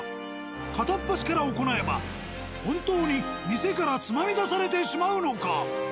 片っ端から行えば本当に店からつまみ出されてしまうのか。